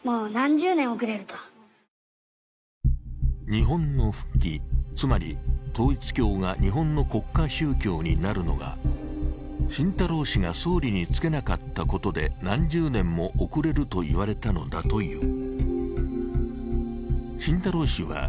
日本の復帰、つまり統一教が日本の国家宗教になるのが晋太郎氏が総理に就けなかったことで何十年も遅れると言われたのだという。